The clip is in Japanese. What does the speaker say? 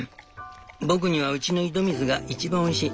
僕にはうちの井戸水が一番おいしい。